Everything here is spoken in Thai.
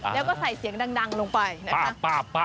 แล้วก็ใส่เสียงดังลงไปนะคะ